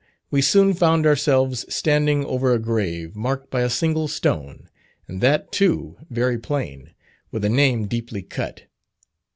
we soon found ourselves standing over a grave, marked by a single stone, and that, too, very plain, with a name deeply cut.